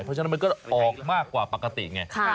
เพราะฉะนั้นมันก็ออกมากว่าปกติไง